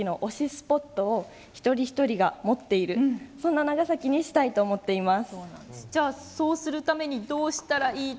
スポットを一人一人が持っているそんな長崎にしたいと思っています。